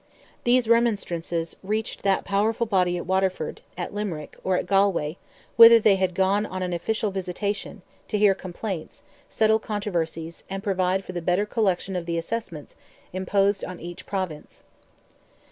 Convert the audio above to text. These remonstrances reached that powerful body at Waterford, at Limerick, or at Galway, whither they had gone on an official visitation, to hear complaints, settle controversies, and provide for the better collection of the assessments imposed on each Province.